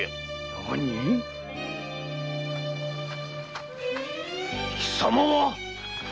何⁉貴様は！